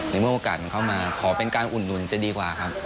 ในเมื่อโอกาสมันเข้ามาขอเป็นการอุดหนุนจะดีกว่าครับ